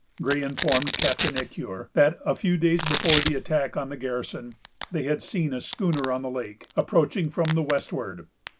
Gray informed Captain Ecuyer that, a few days before the attack on the garrison, they had seen a schooner on the lake, approaching from the westward.